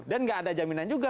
dan tidak ada jaminan juga